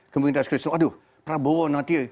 kementerian kristen aduh prabowo nanti